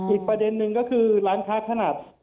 อีกประเด็นนึงก็คือร้านค้าขนาด